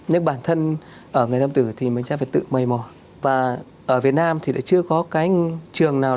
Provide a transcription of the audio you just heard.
những bản thân ở người thâm tử thì mình sẽ phải tự mầy mò và ở việt nam thì đã chưa có cái trường nào